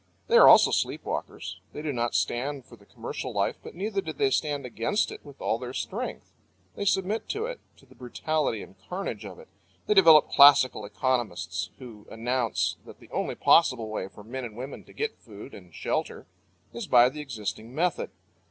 They are also sleep walkers. They do not stand for the commercial life, but neither do they stand against it with all their strength. They submit to it, to the brutality and carnage of it. They develop classical economists who announce that the only possible way for men and women to get food and shelter is by the existing method.